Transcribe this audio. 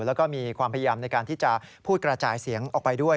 แล้วก็มีความพยายามในการที่จะพูดกระจายเสียงออกไปด้วย